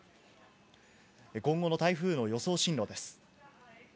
今後の台風の予想進路です。